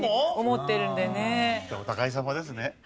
じゃあお互いさまですね。